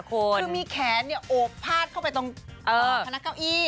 คือมีแขนโอบพาดเข้าไปตรงพนักเก้าอี้